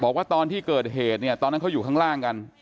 บอกว่าตอนที่เกิดเหตุเนี่ยตอนนั้นเขาอยู่ข้างล่างกัน